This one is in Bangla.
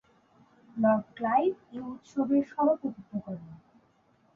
লর্ড ক্লাইভ এ উৎসবের সভাপতিত্ব করেন।